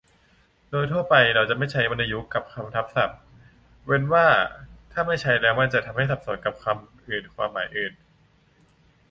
โดยทั่วไปเราจะไม่ใช้วรรณยุกต์กับคำทับศัพท์ เว้นว่าถ้าไม่ใช้แล้วมันจะทำให้สับสนกับคำอื่นความหมายอื่น